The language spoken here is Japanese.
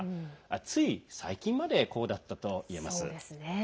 つい最近までこうだったといえます。